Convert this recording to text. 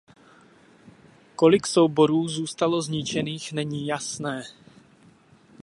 Kolik souborů zůstalo zničených není jasné.